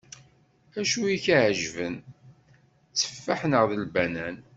Acu i k-iεeǧben, tteffaḥ neɣ lbanan?